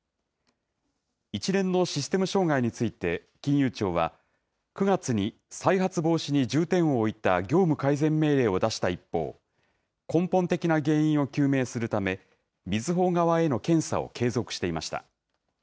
一連のシステム障害について、金融庁は、９月に再発防止に重点を置いた業務改善命令を出した一方、根本的な原因を究明するため、みずほ側への検査を継続していました。